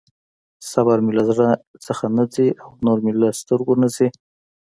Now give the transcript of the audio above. صبر مې له زړه نه ځي او نور مې له سترګې نه ځي.